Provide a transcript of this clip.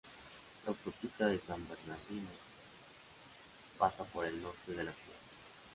La autopista de San Bernardino pasa por el norte de la ciudad.